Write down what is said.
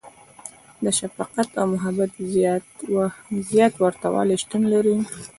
• د شفقت او محبت زیات ورتهوالی شتون لري.